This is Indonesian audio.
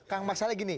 kang masalahnya gini